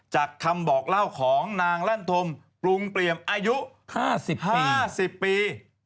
จากคำบอกเล่าของนางลั่นธมปรุงเปรียมอายุ๕๐ปี๕๐ปี